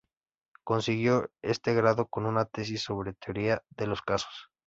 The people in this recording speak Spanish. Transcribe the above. Consiguió este grado con una tesis sobre teoría de los casos.